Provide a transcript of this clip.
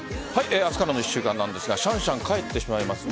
明日からの１週間なんですがシャンシャン帰ってしまいますね。